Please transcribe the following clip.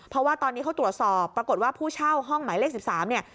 เพราะว่าตอนนี้เขาตรวจสอบปรากฏว่าผู้เช่าห้องหมายเลข๑๓เนี่ย